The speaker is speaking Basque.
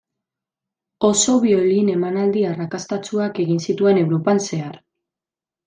Oso biolin-emanaldi arrakastatsuak egin zituen Europan zehar.